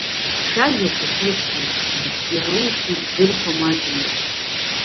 Шәажәақәа шәрыцклаԥшла, иара усгьы ишәзырҳәо маҷума…